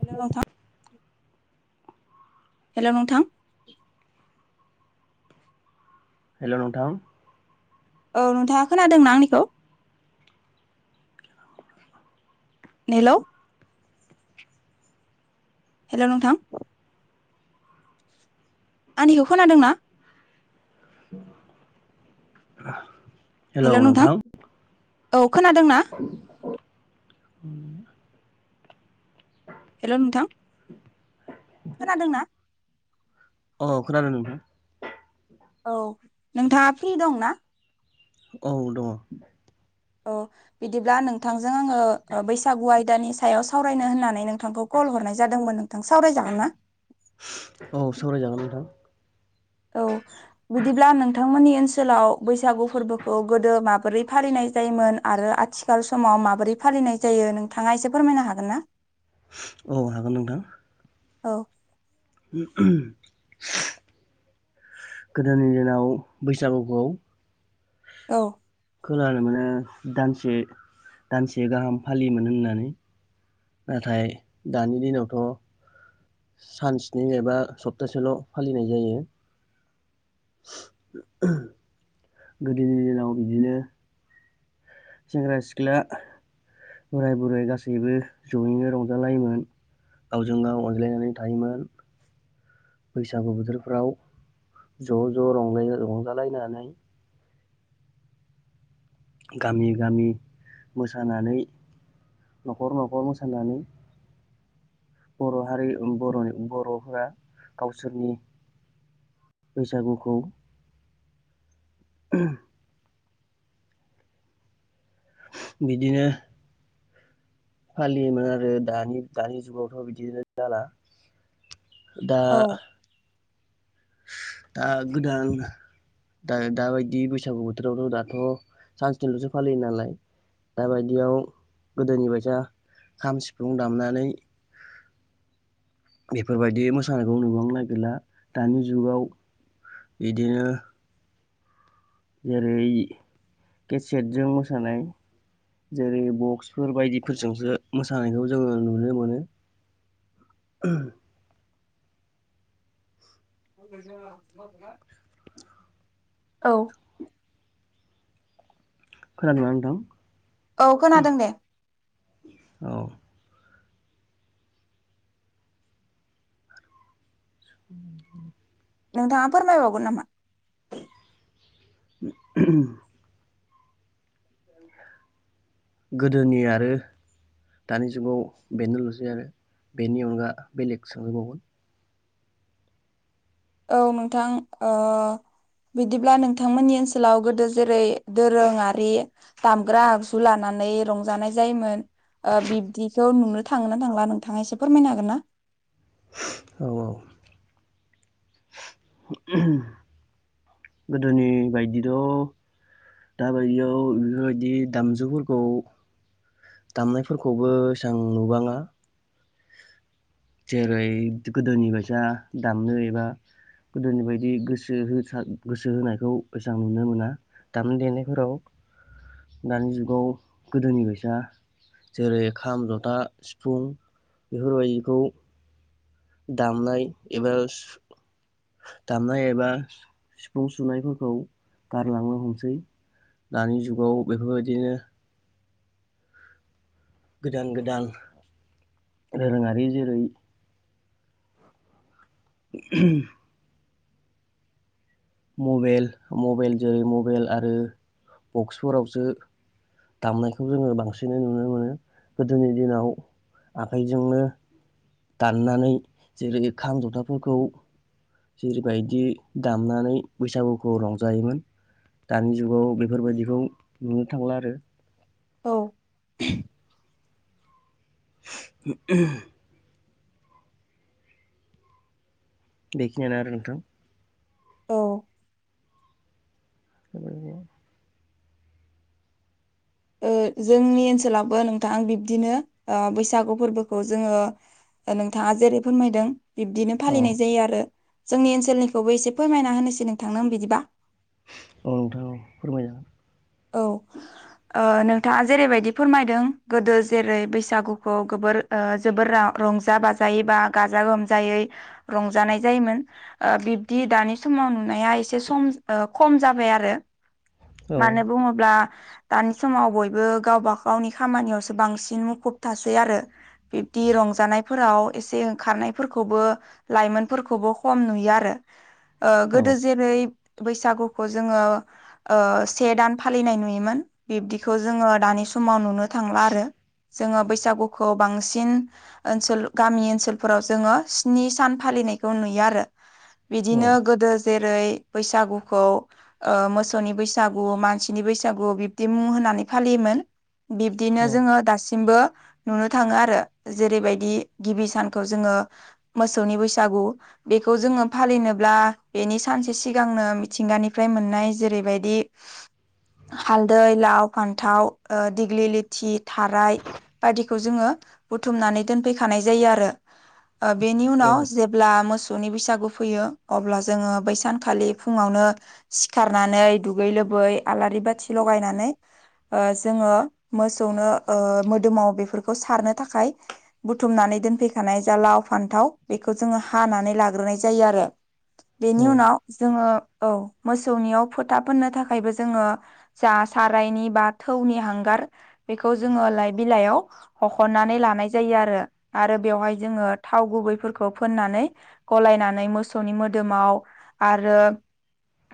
हेल नथां हेल' नोंथां हेल' नोंथां औ नोंथाङा खोनादों न आंनिखौ? नेलौ! हेल' नोंथां! आंनिखौ खोनादों ना? हेल' नोंथां! औ खोनादोंना? [unintelligible] हेल' नोंथां! खोनादोंना? अ खोनादों नोंथां। औ नोंथाङा फ्रि दं ना? औ दङ। औ। बिदिब्ला नोंथांजों आङो ओ बैसागु आयदानि सायाव सावरायनो होननानै नोंथांखौ कल हरनाय जादोंमोन नों थां सावरायजागोन ना? औ सावरायजागोन नोंथां। औ। बिदिब्ला नोंथांमोननि ओनसोलाव बैसागु फोरबोखौ गोदो माबोरै फालिनाय जायोमोन आरो आथि खाल समाव माबोरै फालिनाय जायो नोंथाङा एसे फोरमायनो हागोन ना? औ हागोन नोंथां। औ। [unintelligible] गोदोनि दिनाव बैसागुखौ औ। खोनानो मोनो दानसे दानसे गाहाम फालियोमोन होननानै। नाथाय दानि दिनावथ' सान स्नि एबा सप्तासेल' फालिनाय जायो। [unintelligible] गोदोनि दिनाव बिदिनो सेंग्रा सिख्ला बोराय बुरै गासैबो जयैनो रंजालायोमोन। गावजों गाव अनज्लायनानै थायोमोन। बैसागु बोथोरफ्राव ज' ज' रंलाय रंजालायनानै गामि गामि मोसानानै न'खर न'खर मोसानानै बर' हारि उम बर'नि बर'फोरा गावसोरनि बैसागुखौ [unintelligible] बिदिनो फालियोमोन आरो दानि दानि जुगावथ' बिदिनो जाला। दा औ दा गोदान दा दाबायदि बैसागु बोथोरावथ' दाथ' सानसेनिल'सो फालियो नालाय दााबायदियाव गोदोनि बायदि खाम सिफुं दामनानै बेफोरबायदि मोसानायखौ नुबांनो नागिरला दानि जुगाव बिदिनो जेरै केसेटजों मोसानाय जेरै बक्सफोर बायदिफोरजोंसो मोसानायखौ जोङो नुनो मोनो। [unintelligible] [unintelligible] औ खोनादोंना नोंथां? औ खोनादों दे। औ। [unintelligible] नोंथाङा फोरमायबावगोन नामा। [unintelligible] [unintelligible] गोदोनि आरो दानि जुगाव बेनोल'सै आरो बेनि अनगा बेलेग सोंहरबावगोन‌। औ नोंथां बिदिब्ला नोंथांमोननि ओनसोलाव गोदो जेरै दोरोङारि दामग्रा आगजु लानानै रंजानाय जायोमोन। बिब्दिखौ नुनो थाङोन ना थांला नोंथाङा एसे फोरमायनो हागोन ना। औ औ [unintelligible] गोदोनि बायदिथ' दााबायदियाव बेफोरबायदि दामजुफोरखौ दामनायफोरखौबो एसबां नुबाङा। जेरै गोदोनि बायसा दामनो एबा गोदोनि बायदि गोसो होसार गोसो होनायखौ एसेां नुनो मोना दामनाय देनायफोराव दानि जुगाव गोदोनि फैसा जेरै खाम जथा सिफुं बेफोरबायदिखौ। दामनाय एबा दामनाय एबा सिफुं सुनायफोरखौ गारलांनो हमसै दानि जुगाव बेफोरबायदिनो गोदान गोदान दोरोङारि जेरै [unintelligible] मबाइेल मबाइल जों मबाइल आरो बक्सफोरावसो दामनायखौ जोङो बांसिनै नुनो मोनो गोदोनि दिनाव आखाइजोंनो दाननानै जेरै खाम जथाफोरखौ जेरैबायदि दामनानै बैसागुखौ रंजायोमोन दानि जुगाव बेफोरबायदिखौ नुनो थांला आरो औ [unintelligible] बेखिनियानो आरो नोंथां। औ [unintelligible] जोंनि ओनसोलावबो नोंथां बिब्दिनो बैसागु फोरबोखौ जोङो नोंथाङा जेरै फोरमायदों। बिब्दिनो औ फालिनाय जायो आरो जोंनि ओनसोलनिखौबो एसे फोरमायना होनोसै नोंथांनो आं बिदिबा औ नोंथाङा औ फोरमायजागोन। औ नोंथाङा जेरैबायदि फोरमायदों गोदो जेरै बैसागुखौ गोबोर जोबोर रंजा बाजायै बा गाजा गोमजायै रंजानाय जायोमोन बिब्दि दानि समाव नुनाया एसे सम खम जाबाय आरो औ मानो बुङोब्ला दानि समाव बयबो गावबाागावनि खामानियावसो बांसिन मुखुब थासै आरो बिब्दि रंजानायफोराव एसें खारनायफोरखौबो लाइमोनफोरखौबो खम नुयो आरो औ गोदो जेरै बैसागुखौ जोङो से दान फालिनाय नुयोमोन बिब्दिखौ जोङो दानि समाव नु नुनो थांला आरो जोङो बैसागुखौ बांसिन ओनसोल गामि ओनसोलफोराव जोङो स्नि सान फालिनायखौ नुयो आरो। औ बिदिनो गोदो जेरै बैसागुखौ मोसौनि बैसा। बैसागु मानसिनि बैसागु बिब्दि मुं होननानै फालियोमोन बिब्दिनो जोङो दासिमबो नुनो थाङो आरो जेरैबायदि गिबि सानखौ जोङो मोसौनि बैसागु बेखौ जोङो फालिनोब्ला बेनि सानसे सिगांनो मिथिंगानिफ्राय मोननाय जेरैबायदि हालदै लाव फान्थाव दिग्लि लिथि थाराय बायदिखौ जोङो बुथुमनानै दोनफैखानाय जायो आरो बेनि औ उनाव जे अब्ला मोसौनि बैसागु फैयो अब्ला जोङो बै सानखालि फुङावनो सिखारनानै दुगै लोबै आलारि बाथि लगायनानै जोङो मोसौनो मोदोमाव बेफोरखौ सारनो थाखाय बुथुमनानै दोनफैखानाय जा लाव फान्थाव बेखौ जोङो हानानै लाग्रोनाय जायो आरो औ बेनि उनाव जोङो औ मोसौनियाव फोथा फनो थाखायबो जोङो जा सारायनि बा थौनि हांगार बेखौ जोङो लइ बिलाइयाव हखननानै लानाय जायो आरो आरो बेवहाय जोङो थाव गुबैफोरखौ फोननानै गलायनानै मोसौनि मोदोमाव आरो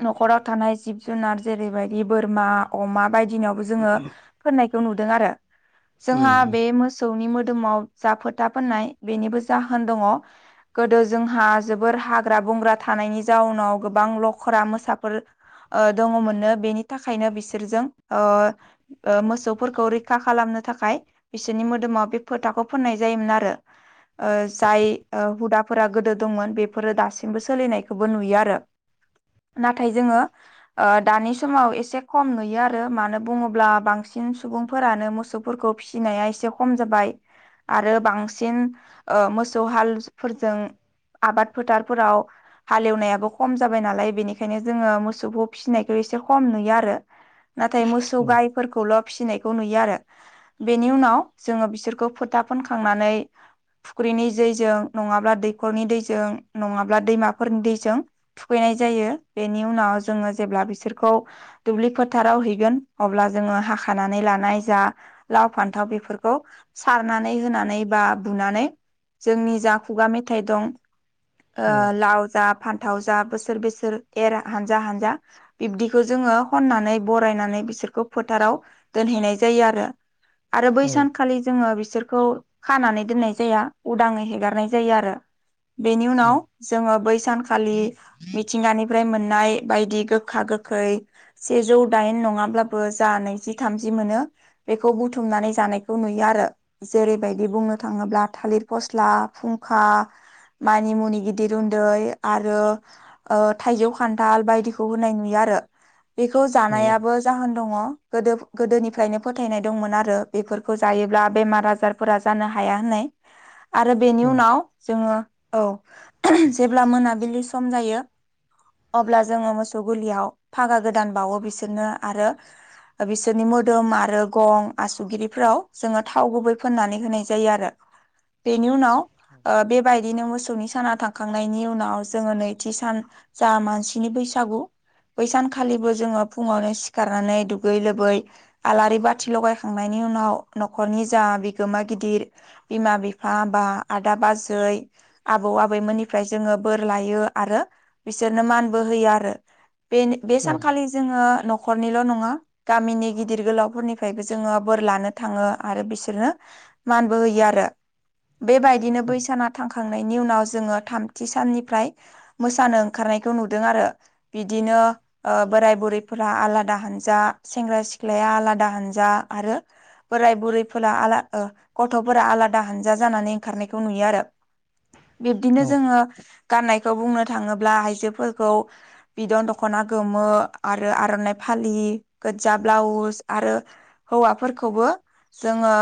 न'खराव थानाय जिब जुनार जेरैबायदि बोरमा, अमा बायदि दिनावबो जोङो फनायखौ नुदों आरो जोंहा उम बे मोसौनि मोदोमाव जा फोथा फोननाय बेनिबो जाहोन दङ गोदो जोंहा जोबोर हाग्रा बंग्रा थानायनि जाउनाव गोबां लखरा मोसाफोर दङमोनो बेनि थाखायनो बिसोरजों मोसौफोरखौ रैखा खालामनो थाखाय बिसोरनि मोदोमाव बे फोथाखौ फोननाय जायोमोन आरो जाय हुदाफोरा गोदो दंमोन बेफोरो दासिमबो सोलिनायखौबो नुयो आरो [unintelligible] दानि समाव एसे खम नुयो आरो मानो बुङोब्ला बांसिन सुबुंफोरानो मोसौ फोरफोरखौ फिसिनाया एसे खम जाबाय आरो बांसिन मोसौ हालफोरजों आबाद फोथारफोराव हालेवनायाबो खम जाबाय नालाय बेनिखायनो जोङो मोसौ ज फिसिनायखौ एसे खम नुयो आरो नाथाय मोसौ उम गाय फोरखौल' फिसिनायखौ नुयो आरो बेनि उनाव जोङो बिसोरखौ फोथा फनखांनानै फुख्रिनि दैजों नङाब्ला दैखरनि दैजों नङाब्ला दैमाफोरनि दैजों थुखैनाय जायो बेनि उनाव जोङो जेब्ला बिसोरखौ दुब्लि फोथाराव हैगोन अब्ला जोङो हाखानानै लानाय जा लाव फान्थाव बेफोरखौ सारनानै होनानै बा बुनानै जोंनि जा खुगा मेथाइ दं ओ औ लाव जा फान्थाव जा बोसोर बोसोर एर हानजा हानजा बिब्दिखौ जोङो खन्नानै बरायनानै बिसोरखौ फोथाराव दोनहैनाय जायो आरो आरो बै औ औ सानखालि जोङो बिसोरखौ खानानै दोननाय जाया उदाङै हेगारनाय जायो आरो बेनि उनाव जोङो बै सानखालि मिथिंगानिफ्राय मोननाय बायदि गोखा गोखै सेजौ दाइन नङाब्लाबो जा नैजि, थामजि मोनो बेखौ बुथुमनानै जानायखौ नुयो आरो जेरैबायदि बुंनो थाङोब्ला थालिर फस्ला, फुंखा मानि मुनि गिदिर उन्दै आरो थाइजौ खान थाल बायदिखौ होनाय नुयो आरो बेखौ औ औ जानायाबो जाहोन दङ गोदो गोदोनिफ्रायनो फोथायनाय दंमोन आरो बेफोरखौ जायोब्ला बेमार आजार फोरा जानो हाया होननाय आरो बेनि उनाव जोङो औ जेब्ला मोनाबिलि सम जायो अब्ला जोङो मोसौ गलियाव फागा गोदान बावो बिसोरनो आरो बिसोरनि मोदोम आरो गं आसुगिरिफोराव जोङो थाव गुबै फोननानै होनाय जायो आरो। बेनि उनाव ओ [inaudible] बेबायदिनो मोसौनि साना थांखांनायनि उनाव जोङो नैथि सान जा मान सिनि बैसागु बै सानखालिबो जोङो फुङावनो सिखारनानै दुगै लोबै आलारि बाथि लगायखांनायनि उनाव न'खरनि जा बिगोमा गिदिर बिमा बिफा बा आदा बाजै आबौ आबैमोननिफ्राय जोङो बोर लायो आरो बिसोरनो मान बो होयो आरो बेन बे औ सानखालि जोङो न'खरनिल' नङा। गामिनि गिदिर गोलावफोरनिफ्रायबो जोङो बोर लानो थाङो आरो बिसोरनो मानबो होयो आरो बेबाय बिदिनो बै साना थांखांनायनि उनाव जोङो थामथि साननिफ्राय मोसानो ओंखारनायखौ नु दों आरो बिदिनो। ओ बोराय बुरैफोरा आलादा हानजा सेंग्रा सिख्लाया आलादा हान्जा आरो बोराय बुरैफोरा आला ओ गथ'फोरा आलादा हानजा जानानै ओंखारनायखौ नुयो आरो। बिब्दिनो जोङो गाननायखौ बुंनो थाङोब्ला आइजोफोरखौ बिदन दख'ना गोमो आरो आर'नाइ फालि गोजजा ब्लाउस आरो हौवाफोरखौबो जोङो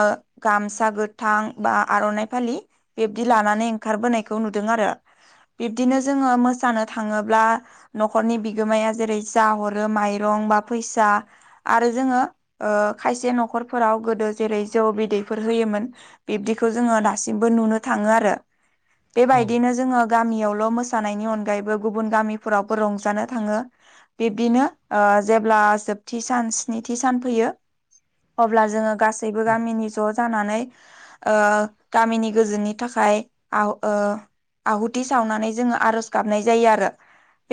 गामसा गोथां बा आर'नाइ फालि बिब्दि लानानै ओंखारबोनायखौ नुदों आरो बिब्दिनो जोङो मोसानो थाङो। ब्ला न'खरनि बिगोमाया जेरै जा हरो माइरं बा फैसा। आरो जोङो ओ खायसे न'खरफोराव गोदो जेरै जौ बिदैफोर होयोमोन। बिब्दिखौ जोङो दासिमबो नुनो थाङो आरो। बेबायदिनो जोङो गामियावल' मोसानायनि अनगायैबो गुबुन गामिफोरावबो रंजानो थाङो। बिब्दिनो ओ जेब्ला जोबथि सान स्निथि सान फैयो। अब्ला जोङो गासैबो गामिनि ज' जानानै ओ गामिनि गोजोननि थाखाय आव ओ आहुथि सावनानै जोङो आर'ज गाबनाय जायो आरो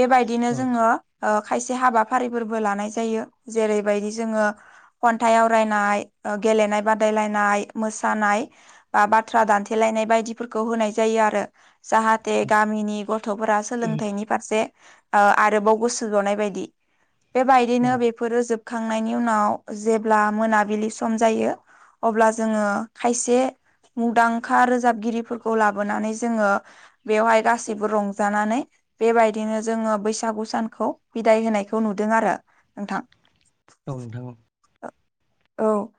बेबायदिनो जोङो ओ खायसे हाबाफारिफोरबो लानाय जायो जेरैबायदि जोङो खन्थाइ आवरायनाय, ओ गेलेनाय बादायलायनाय, मोसानाय बा बाथ्रा दानथेलायनाय बायदिफोरखौ होनाय जायो आरो। जाहाथे गामिनि गथ'फोरा सोलोंथाइ नि फारसे‌ ओ आरोबाव गोसो जनाय बायदि बेबायदिनो बे फोरो जोबखांनायनि उनाव जेब्ला मोनाबिलि सम जायो। अब्ला जोङो खायसे मुंदांखा रोजाबगिरिफोरखौ लाबोनानै जोङो बेवहाय गासैबो रंजानानै बेबायदिनो जोङो बैसागु सानखौ बिदाय होनायखौ नुदों आरो नोंथां। औ नोंथां औ। [unintelligible] औ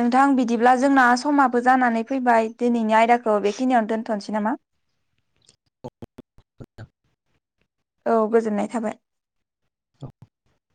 नोंथां बिदिब्ला जोंना समाबो जानानै फैबाय दिनैनि आयदाखौ बेखिनियावनो दोनथ'नोसै नामा? [inaudible] औ गोजोननाय थाबाय। [unintelligible]